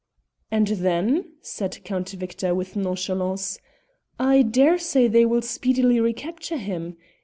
"Ah, then," said Count Victor with nonchalance, "I daresay they will speedily recapture him.